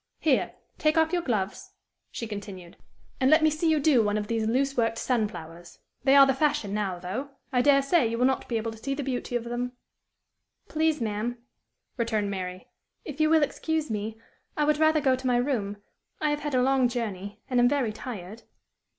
"Here! take off your gloves," she continued, "and let me see you do one of these loose worked sunflowers. They are the fashion now, though. I dare say, you will not be able to see the beauty of them." "Please, ma'am," returned Mary, "if you will excuse me, I would rather go to my room. I have had a long journey, and am very tired."